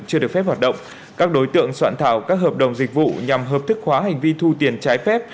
chưa được phép hoạt động các đối tượng soạn thảo các hợp đồng dịch vụ nhằm hợp thức hóa hành vi thu tiền trái phép